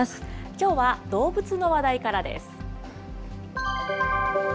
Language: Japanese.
きょうは動物の話題からです。